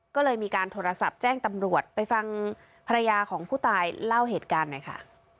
ก็เลยมีการโทรศัพท์แจ้งตำรวจไปฟังภรรยาของผู้ตายเล่าเหตุการณ์หน่อยค่ะ